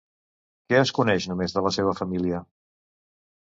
Què es coneix només de la seva família?